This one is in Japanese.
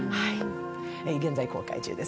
現在、公開中です。